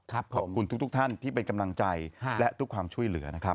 ขอบคุณทุกท่านที่เป็นกำลังใจและทุกความช่วยเหลือนะครับ